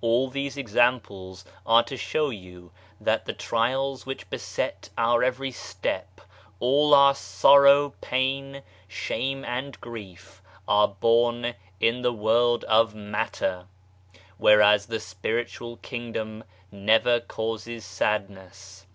All these examples are to show you that the trials which beset our every step, all our sorrow, pain, shame and grief, are born in the world of matter ; whereas the Spiritual Kingdom never causes sadness.